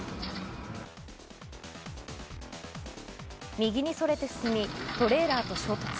右にそれて進みトレーラーと衝突。